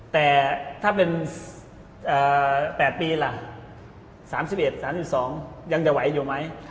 แต่ถ้าเป็น๘ปีล่ะ๓๑๓๒ยังจะไหวอยู่ไหม